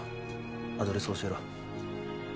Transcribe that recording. アドレス教えろ。